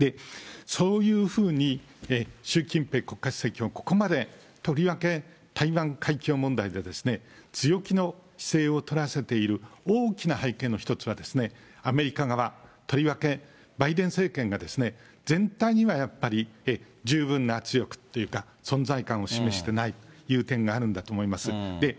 そういうふうに習近平国家主席をここまでとりわけ台湾海峡問題で、強気の姿勢を取らせている大きな背景の一つは、アメリカ側、とりわけバイデン政権が、全体にはやっぱり十分な圧力というか、存在感を示してないという点があるんだと思います。